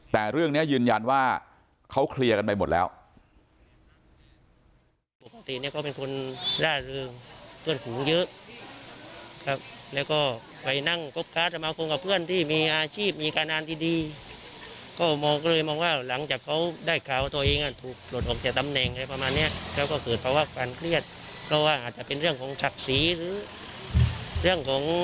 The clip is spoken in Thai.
แต่เรื่องนี้ยืนยันว่าเขาเคลียร์กันไปหมดแล้ว